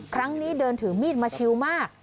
ครั้งนี้เดินถือมีดมาชิวมาก